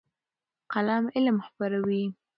قلم علم خپروي.